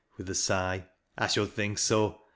witli a sigh. " I should think f n.